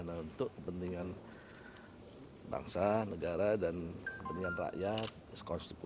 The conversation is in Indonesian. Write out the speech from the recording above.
nah untuk kepentingan bangsa negara dan kepentingan rakyat sekonsekuen itu aja dia selalu